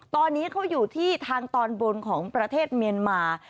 ตอนนี้เขาอยู่ที่ทางตอนบนของประเทศเมียนมา